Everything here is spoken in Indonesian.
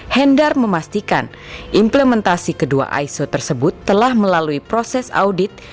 hendar memastikan implementasi kedua iso tersebut telah melalui proses audit